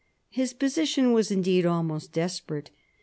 His position was, indeed, almost desperate.